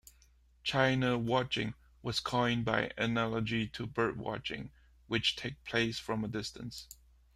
"China watching" was coined by analogy to birdwatching, which takes place from a distance.